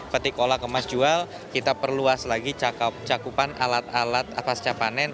petik olah kemas jual kita perluas lagi cakupan alat alat atas capanen